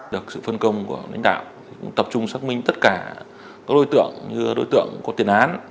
được sự phân công của lãnh đạo tập trung xác minh tất cả các đối tượng như đối tượng có tiền án